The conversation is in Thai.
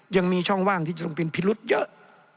ยังมีช่องว่างที่จะต้องเป็นพิรุษเยอะ